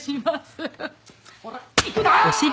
ほら行くで！